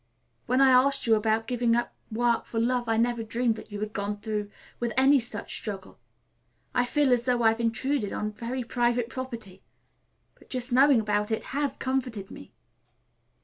When I asked you about giving up work for love, I never dreamed that you had gone through with any such struggle. I feel as though I've intruded on very private property. But just knowing about it has comforted me."